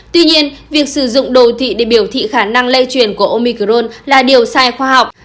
tuy nhiên việc sử dụng đồ thị để biểu thị khả năng lây truyền của omicrone là điều sai khoa học